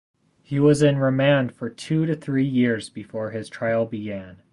He was in remand for two to three years before his trial began.